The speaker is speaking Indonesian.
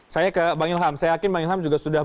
saya ke bang ilham saya yakin bang ilham juga sudah